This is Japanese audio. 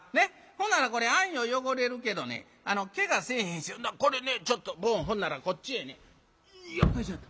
ほならこれあんよ汚れるけどねけがせえへんこれねちょっとボンほんならこっちへねよっこいしょと！